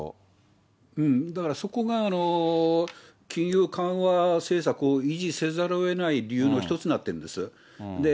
だから、そこが金融緩和政策を維持せざるをえない理由の一つになってるんです。